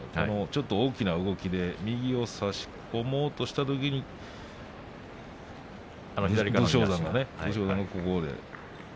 ちょっと大きな動きで右を差し込もうとしたときに左からね。